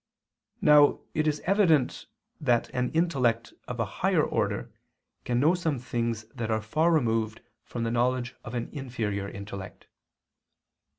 Now it is evident that an intellect of a higher order can know some things that are far removed from the knowledge of an inferior intellect.